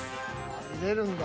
見れるんだ。